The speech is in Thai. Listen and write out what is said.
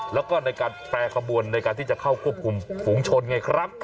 แล้วก็ในการแปรขบวนในการที่จะเข้าควบคุมฝูงชนไงครับ